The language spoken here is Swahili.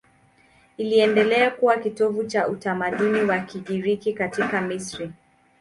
Iliendelea kuwa kitovu cha utamaduni wa Kigiriki katika Misri.